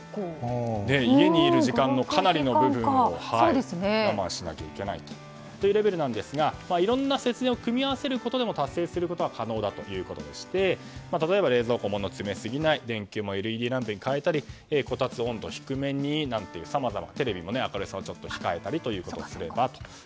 家にいる時間、かなりの部分を我慢しなければいけないというレベルなんですがいろんな節電を組み合わせることでも達成することが可能だということでして例えば冷蔵庫に物を詰めすぎない電球もＬＥＤランプに変えたりこたつ温度を低めにやテレビの明るさを控えたりすればという。